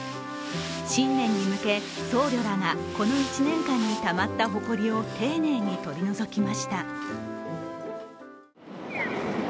新年に向け、僧侶らがこの１年間にたまったほこりを丁寧に取り除きました。